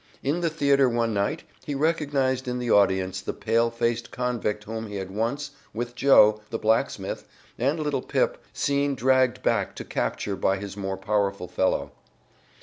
In the theater one night he recognized in the audience the pale faced convict whom he had once, with Joe, the blacksmith, and little Pip, seen dragged back to capture by his more powerful fellow.